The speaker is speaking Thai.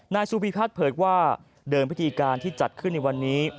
นายสุพีพัฒน์เผลอว่าเดิมพฤติการที่จัดขึ้นในวันนี้